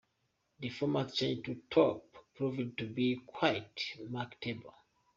The format change to pop proved to be quite marketable.